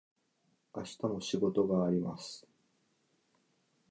明日も仕事があります。